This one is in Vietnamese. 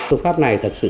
thực pháp này thật sự